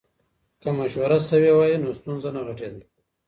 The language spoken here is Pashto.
که مشوره سوې وه نو ستونزه نه غټېده.